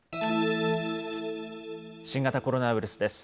新型コロナウイルスです。